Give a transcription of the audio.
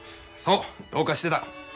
そうどうかしてた。